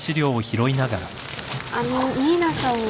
あのう新名さんは？